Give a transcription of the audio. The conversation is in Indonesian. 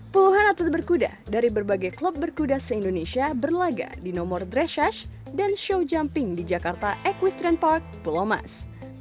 puluhan atlet berkuda dari berbagai klub berkuda se indonesia berlaga di nomor dresshach dan show jumping di jakarta equestrian park pulau mas